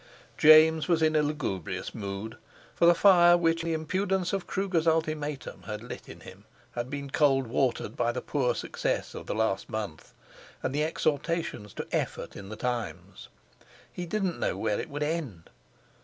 James was in lugubrious mood, for the fire which the impudence of Kruger's ultimatum had lit in him had been cold watered by the poor success of the last month, and the exhortations to effort in The Times. He didn't know where it would end.